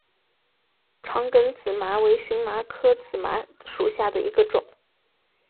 长梗紫麻为荨麻科紫麻属下的一个种。